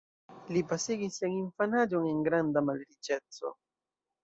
Li pasigis sian infanaĝon en granda malriĉeco.